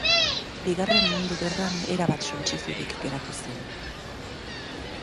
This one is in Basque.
Bigarren Mundu Gerran erabat suntsiturik geratu zen.